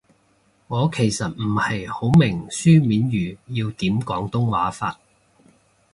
我其實唔係好明書面語要點廣東話法